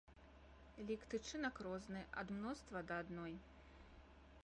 Лік тычынак розны, ад мноства да адной.